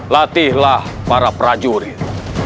latihlah para prajurit